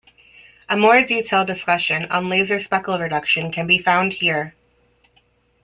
A more detailed discussion on laser speckle reduction can be found here.